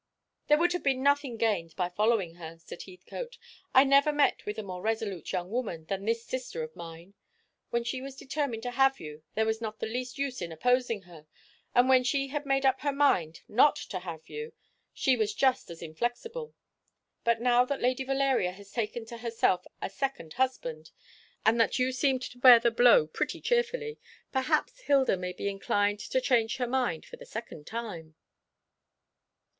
"There would have been nothing gained by following her," said Heathcote. "I never met with a more resolute young woman than this sister of mine. When she was determined to have you, there was not the least use in opposing her, and when she had made up her mind not to have you, she was just as inflexible. But now that Lady Valeria has taken to herself a second husband, and that you seem to bear the blow pretty cheerfully, perhaps Hilda may be inclined to change her mind for the second time."